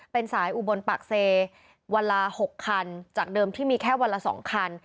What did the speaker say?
เป็นสายอุบลปากเซวันละ๖คันจากเดิมที่มีแค่วันละ๒คัน